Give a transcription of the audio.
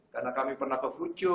karena kami pernah ke fujio